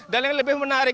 dan yang lebih menarik